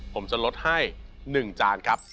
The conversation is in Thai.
ผมจะลดให้๑จานครับ